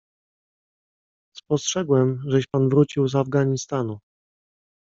"Spostrzegłem, żeś pan wrócił z Afganistanu."